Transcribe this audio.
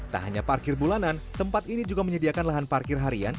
tak hanya parkir bulanan tempat ini juga menyediakan lahan parkir harian